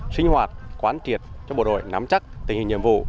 sinh hoạt quán kiệt cho bộ đội nắm chắc tình hình nhiệm vụ